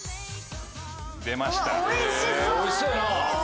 おいしそうやな。